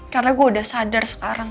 karena gue udah sadar sekarang rik